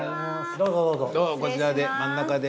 どうぞこちらで真ん中で。